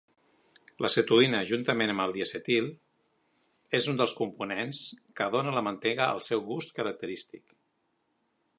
L'acetoïna, juntament amb el diacetil, és un dels components que dóna a la mantega el seu gust característic.